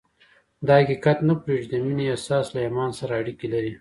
دا حقیقت نه پټېږي چې د مینې احساس له ایمان سره اړیکې لري